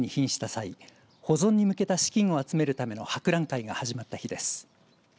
際保存に向けた資金を集めるための博覧会が始まった日です。